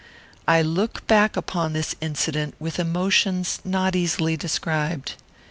I look back upon this incident with emotions not easily described.